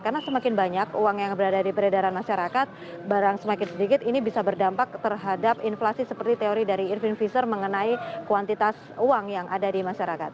karena semakin banyak uang yang berada di peredaran masyarakat barang semakin sedikit ini bisa berdampak terhadap inflasi seperti teori dari irvin fischer mengenai kuantitas uang yang ada di masyarakat